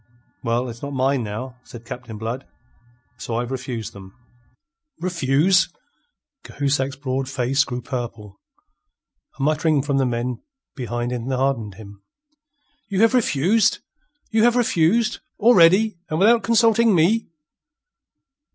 "Well, it's not mine, now," said Captain Blood. "So, I've refused them." "Refuse'!" Cahusac's broad face grew purple. A muttering from the men behind enheartened him. "You have refuse'? You have refuse' already and without consulting me?"